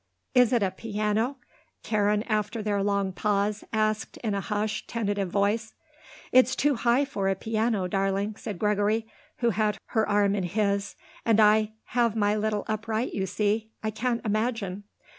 "Is it a piano?" Karen, after their long pause, asked in a hushed, tentative voice. "It's too high for a piano, darling," said Gregory, who had her arm in his "and I have my little upright, you see. I can't imagine."